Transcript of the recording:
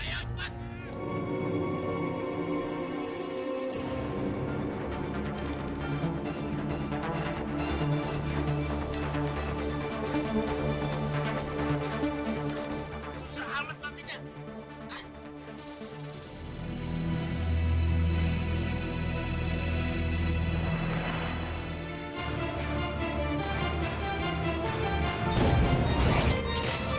iya iya kecembangan dia